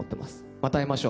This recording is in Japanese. また会いましょう。